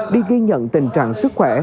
đi ghi nhận tình trạng sức khỏe